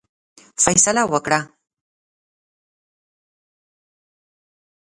فیصله وکړه.